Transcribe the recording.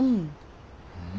うん。